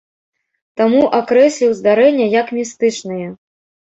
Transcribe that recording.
Таму акрэсліў здарэнне як містычнае.